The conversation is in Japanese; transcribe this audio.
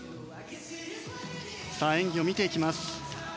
さあ、演技を見ていきます。